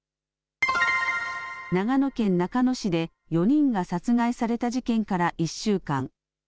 長野県中野市で４人が殺害された事件から１週間。